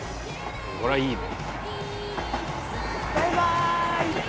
これはいいな。